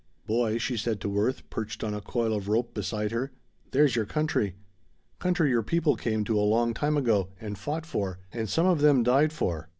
"Boy," she said to Worth, perched on a coil of rope beside her, "there's your country. Country your people came to a long time ago, and fought for, and some of them died for.